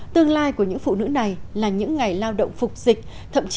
tương lai của những phụ nữ này là những ngày lao động phục dịch